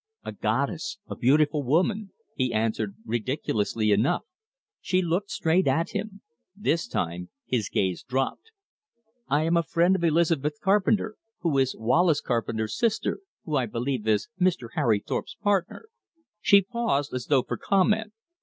"A goddess, a beautiful woman!" he answered ridiculously enough. She looked straight at him. This time his gaze dropped. "I am a friend of Elizabeth Carpenter, who is Wallace Carpenter's sister, who I believe is Mr. Harry Thorpe's partner." She paused as though for comment.